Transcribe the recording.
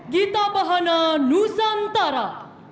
gita bahana nusantara